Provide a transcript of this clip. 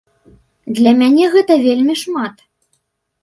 Для мяне гэта вельмі шмат!